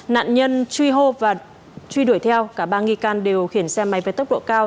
nạn nhân truy hô và truy đuổi theo cả ba nghi can đều khiển xe máy với tốc độ cao